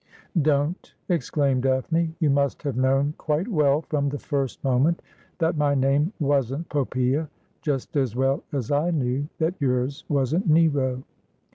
' Don't,' exclaimed Daphne ;' you must have known quite well from the first moment that my name wasn't Popp^a, just as well as I knew that yours wasn't Nero.'